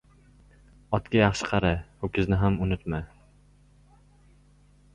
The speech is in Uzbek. • Otga yaxshi qara, ho‘kizni ham unutma.